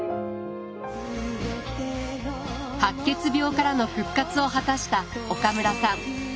白血病からの復活を果たした岡村さん。